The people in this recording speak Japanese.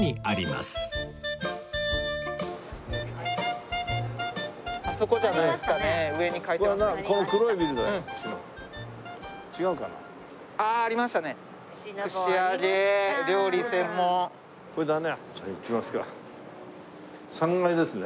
３階ですね。